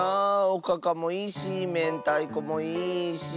おかかもいいしめんたいこもいいし。